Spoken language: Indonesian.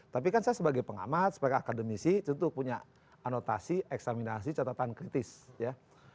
tapi kan saya sebagai pengamat sebagai akademisi tentu punya anotasi eksaminasi catatan kritis ya